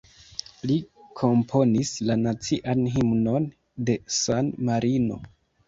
Li komponis la nacian himnon de San Marino.